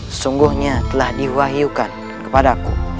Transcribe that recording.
sesungguhnya telah diwahyukan kepadaku